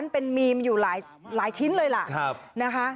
เป็นมีมอยู่หลายชิ้นเลยล่ะนะคะ